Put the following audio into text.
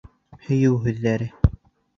Һөйөү һүҙҙәре